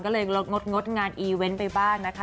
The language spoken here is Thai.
ก็เลยงดงานอีเวนต์ไปบ้างนะคะ